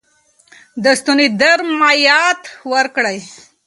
د ستوني درد کې مایعات ورکړئ.